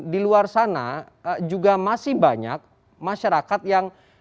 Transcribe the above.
di luar sana juga masih banyak masyarakat yang